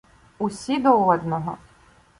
Усі до одного.